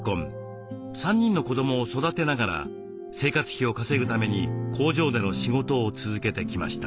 ３人の子どもを育てながら生活費を稼ぐために工場での仕事を続けてきました。